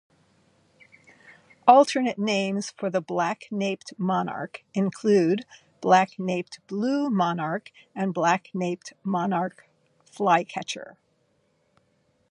Alternate names for the black-naped monarch include black-naped blue monarch and black-naped monarch flycatcher.